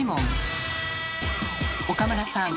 岡村さん